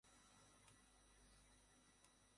তারপর সালাত শেষ হলে আমরা বললাম, হে আল্লাহর রাসূল!